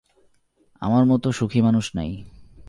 আমার মতো সুখী মানুষ নাই।